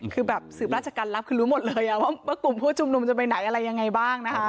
คือแบบสืบราชการรับคือรู้หมดเลยว่ากลุ่มผู้ชุมนุมจะไปไหนอะไรยังไงบ้างนะคะ